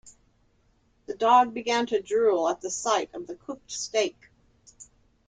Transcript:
The dog began to drool at the sight of the cooked steak.